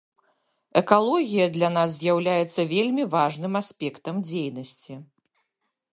Экалогія для нас з'яўляецца вельмі важным аспектам дзейнасці.